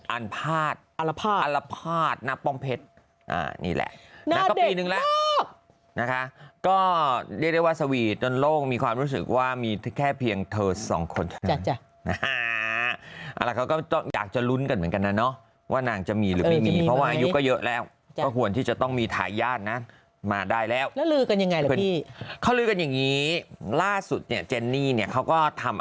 อันภาษณ์อันภาษณ์อันภาษณ์อันภาษณ์อันภาษณ์อันภาษณ์อันภาษณ์อันภาษณ์อันภาษณ์อันภาษณ์อันภาษณ์อันภาษณ์อันภาษณ์อันภาษณ์อันภาษณ์อันภาษณ์อันภาษณ์อันภาษณ์อันภาษณ์อันภาษณ์อัน